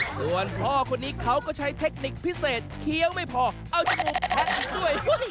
ส่วนพ่อคนนี้เขาก็ใช้เทคนิคพิเศษเคี้ยวไม่พอเอาจมูกแพะอีกด้วย